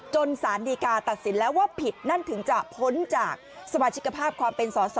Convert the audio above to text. สารดีกาตัดสินแล้วว่าผิดนั่นถึงจะพ้นจากสมาชิกภาพความเป็นสอสอ